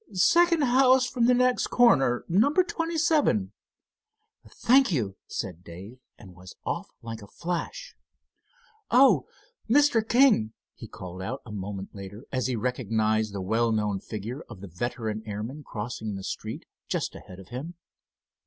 "Second house from the next corner. Number twenty seven." "Thank you," said Dave and was off like a flash. "Oh, Mr. King!" he called out a moment later, as he recognized the well known figure of the veteran airman crossing the street just ahead of him.